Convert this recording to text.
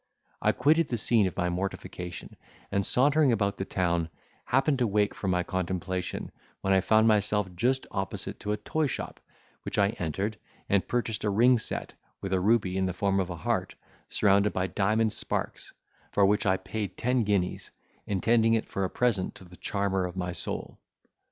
I quitted the scene of my mortification, and, sauntering about the town, happened to wake from my contemplation, when I found myself just opposite to a toy shop, which I entered, and purchased a ring set with a ruby in the form of a heart, surrounded by diamond sparks, for which I paid ten guineas, intending it for a present to the charmer of my soul.